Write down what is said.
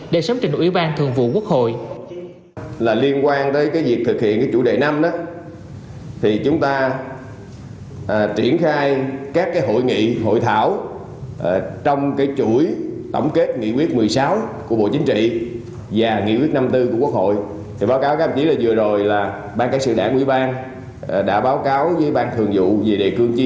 để sống trình ủy ban thường vụ quốc hội